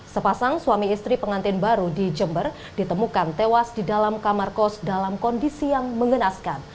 sepasang suami istri pengantin baru di jember ditemukan tewas di dalam kamar kos dalam kondisi yang mengenaskan